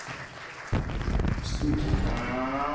It was full to the edge.